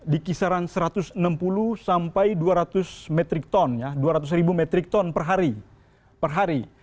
di kisaran satu ratus enam puluh sampai dua ratus metric ton per hari